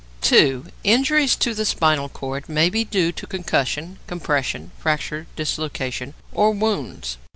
2. =Injuries to the Spinal Cord= may be due to concussion, compression (fracture dislocation), or wounds.